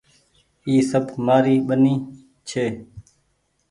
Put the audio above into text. اي سب مآري ٻيني ڇي ۔